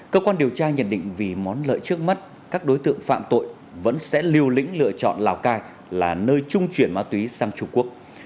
cơ quan điều tra nhận định vì món lợi trước mắt các đối tượng phạm tội vẫn sẽ liều lĩnh lựa chọn lào cai là nơi trung chuyển ma túy sang trung quốc